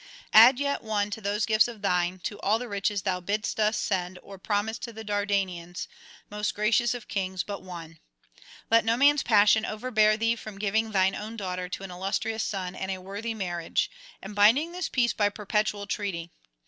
Add yet one to those gifts of thine, to all the riches thou bidst us send or promise to the Dardanians, most gracious of kings, but one; let no man's passion overbear thee from giving thine own daughter to an illustrious son and a worthy marriage, and binding this peace by perpetual treaty.